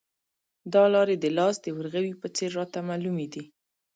دا لارې د لاس د ورغوي په څېر راته معلومې دي.